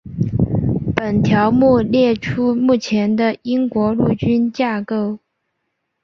本条目列出目前的英国陆军架构。